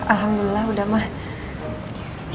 alhamdulillah sudah mak